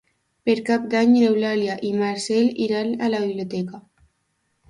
Per Cap d'Any n'Eulàlia i en Marcel iran a la biblioteca.